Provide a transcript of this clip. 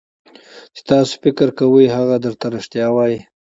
چې تاسو فکر کوئ هغه درته رښتیا وایي.